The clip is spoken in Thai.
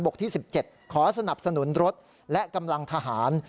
ขอสนับสนุนรถและกำลังทหาร